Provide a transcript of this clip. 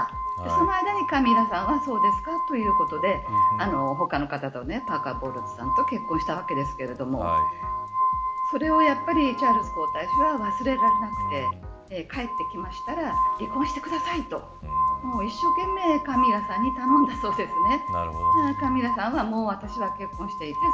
その間にカミラさんはそうですかということで他の方とパーカーポールズさんと結婚したわけですけれどもそれをやっぱりチャールズ皇太子は忘れなくて帰ってきましたら離婚してくださいと一生懸命、カミラさんに頼んだそうですね。